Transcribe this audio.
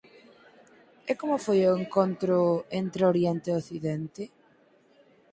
E como foi o encontro entre Oriente e Occidente?.